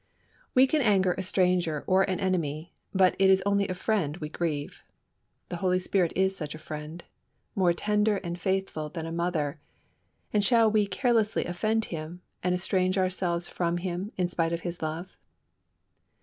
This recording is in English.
We can anger a stranger or an enemy, but it is only a friend we grieve. The Holy Spirit is such a Friend, more tender and faithful than a mother; and shall we carelessly offend Him, and estrange ourselves from Him in spite of His love?